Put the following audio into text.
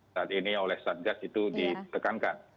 saat ini oleh satgas itu ditekankan